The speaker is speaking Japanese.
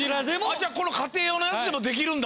じゃあこの家庭用のやつでもできるんだ？